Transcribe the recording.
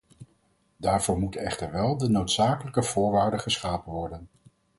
Daarvoor moeten echter wel de noodzakelijke voorwaarden geschapen worden.